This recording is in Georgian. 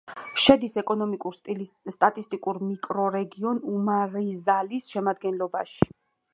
შედის ეკონომიკურ-სტატისტიკურ მიკრორეგიონ უმარიზალის შემადგენლობაში.